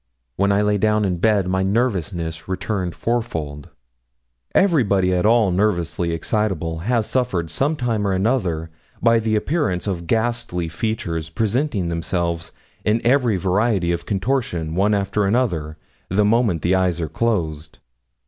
When I lay down in bed my nervousness returned fourfold. Everybody at all nervously excitable has suffered some time or another by the appearance of ghastly features presenting themselves in every variety of contortion, one after another, the moment the eyes are closed.